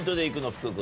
福君。